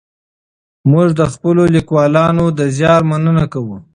موږ د خپلو لیکوالو د زیار مننه کوو.